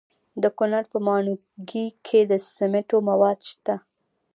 د کونړ په ماڼوګي کې د سمنټو مواد شته.